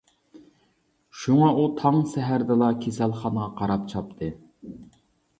شۇڭا ئۇ تاڭ سەھەردىلا كېسەلخانىغا قاراپ چاپتى.